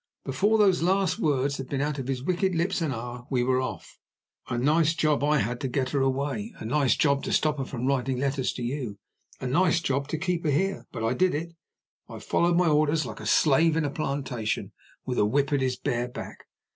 Before those last words had been out of his wicked lips an hour, we were off. A nice job I had to get her away a nice job to stop her from writing letters to you a nice job to keep her here. But I did it; I followed my orders like a slave in a plantation with a whip at his bare back.